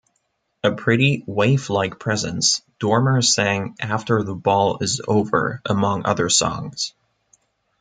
A pretty, waif-like presence, Dormer sang "After the Ball is Over" among other songs.